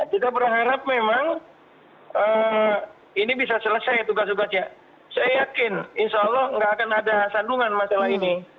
kita berharap memang ini bisa selesai tugas tugasnya saya yakin insya allah nggak akan ada sandungan masalah ini